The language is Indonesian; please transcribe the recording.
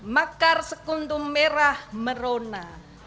makar sekuntum merah merona